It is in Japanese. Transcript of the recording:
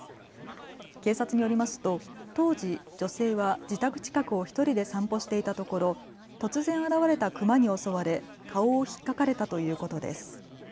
警察によりますと当時女性は自宅近くを１人で散歩していたところ突然現れたクマに襲われ顔をひっかかれたということです。